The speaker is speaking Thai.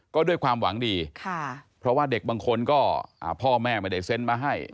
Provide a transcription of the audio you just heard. ก็ด้วยความหวังดีเพราะว่าเด็กบางคนก็พ่อแม่ไม่ได้เซ็นมาให้